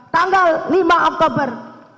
tanggal lima oktober dua ribu dua puluh dua